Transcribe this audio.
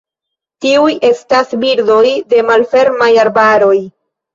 Tiuj estas birdoj de malfermaj arbaroj.